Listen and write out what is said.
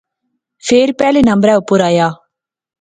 فیر پہلے نمبرے اوپر آیا